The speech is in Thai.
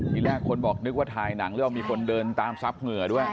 ทีแรกคนบอกนึกว่าถ่ายหนังแล้วมีคนเดินตามซับเหงื่อด้วย